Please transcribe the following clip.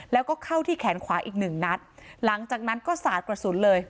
แล้วก็เข้าที่แขนขวาอีกหนึ่งนัดหลังจากนั้นก็สาดกระสุนเลย